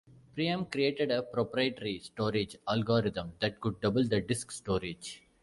Priam created a proprietary storage algorithm that could double the disk storage.